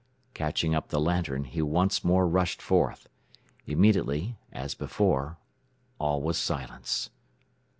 Catching up the lantern, he once more rushed forth. Immediately, as before, all was silence.